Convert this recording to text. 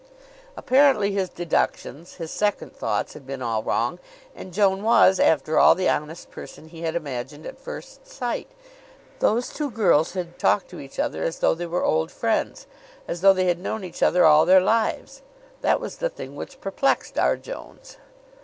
Apparently his deductions, his second thoughts, had been all wrong, and Joan was, after all, the honest person he had imagined at first sight. Those two girls had talked to each other as though they were old friends; as though they had known each other all their lives. That was the thing which perplexed R. Jones.